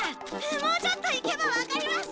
もうちょっと行けばわかります。